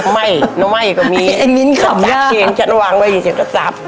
ไม่ไม่ก็มีไอ้มิ้นขำย่าฉันวางไว้อยู่ใส่กระซับ